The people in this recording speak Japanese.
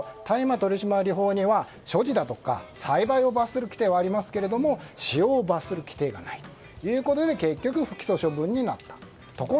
大麻取締法には所持だとか栽培を罰する規定はありますけれども使用を罰する規定がないということで不起訴処分になったと。